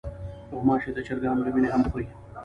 غوماشې د چرګانو له وینې هم خوري.